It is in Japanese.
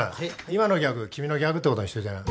今のギャグ君のギャグってことにしといてな。